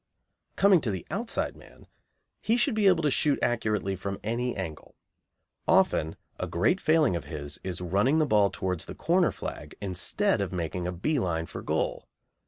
Coming to the outside man, he should be able to shoot accurately from any angle. Often a great failing of his is running the ball towards the corner flag instead of making a bee line for goal.